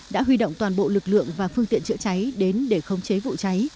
đã huy động toàn bộ lực lượng và phương tiện chữa cháy đến để khống chế vụ cháy